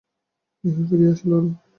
কেহই ফিরিয়া আসিল না।